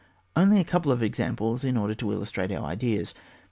Only a couple of examples in order to illustrate our ideas.